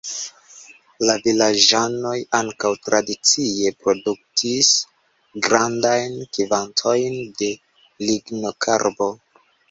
La vilaĝanoj ankaŭ tradicie produktis grandajn kvantojn de Lignokarbo.